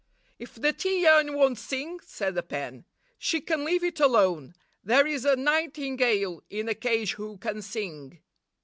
'If the tea urn won't sing/ said the pen, ' she can leave it alone. There is a nightingale in a cage who can sing.